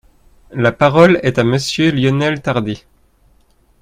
La parole est à Monsieur Lionel Tardy.